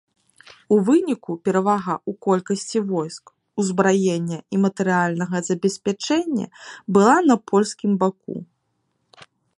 У выніку перавага ў колькасці войск, узбраення і матэрыяльнага забеспячэння была на польскім баку.